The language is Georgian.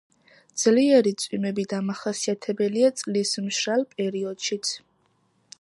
ძლიერი წვიმები დამახასიათებელია წლის მშრალ პერიოდშიც.